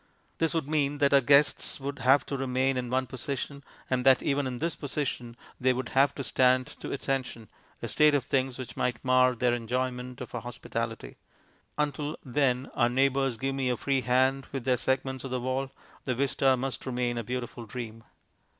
This would mean that our guests would have to remain in one position, and that even in this position they would have to stand to attention a state of things which might mar their enjoyment of our hospitality. Until, then, our neighbours give me a free hand with their segments of the wall, the vista must remain a beautiful dream.